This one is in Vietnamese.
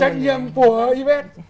cho đến trách nhiệm của ypet